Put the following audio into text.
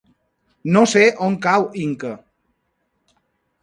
No sé on cau Inca.